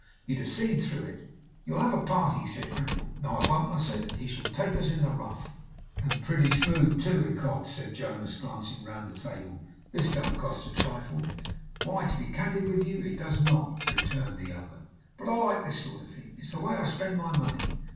You'd have seen through it. "You'll have a party?" said Crimple. "No, I won't," I said, "he shall take us in the rough!" 'And pretty smooth, too, ecod!' said Jonas, glancing round the table. 'This don't cost a trifle.' 'Why, to be candid with you, it does not,' returned the other. 'But I like this sort of thing. It's the way I spend my money.